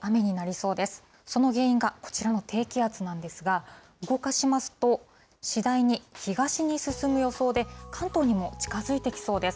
その原因がこちらの低気圧なんですが、動かしますと、次第に東に進む予想で、関東にも近づいてきそうです。